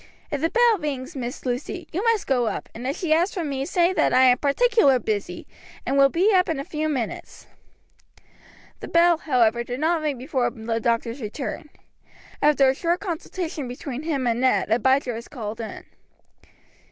If the bell rings, Miss Lucy, you must go up, and if she asks for me, say that I am particular busy, and will be up in a few minutes." The bell, however, did not ring before the doctor's return. After a short consultation between him and Ned, Abijah was called in. "Mr.